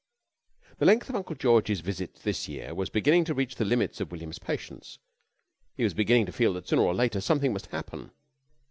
The length of Uncle George's visit this year was beginning to reach the limits of William's patience. He was beginning to feel that sooner or later something must happen.